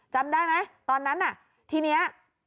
จำได้ไหมตอนนั้นน่ะทีนี้